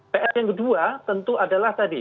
pr yang kedua tentu adalah tadi